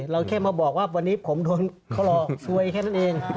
เราแค่มาบอกว่าวันนี้ผมโดนเขาหลอกซวยแค่นั้นเอง